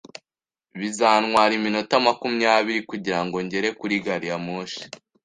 Bizantwara iminota makumyabiri kugirango ngere kuri gari ya moshi.